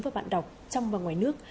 và bạn đọc trong và ngoài nước